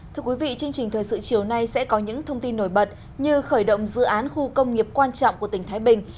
thưa quý vị chương trình thời sự chiều nay sẽ có những thông tin nổi bật như khởi động dự án khu công nghiệp quan trọng của tỉnh thái bình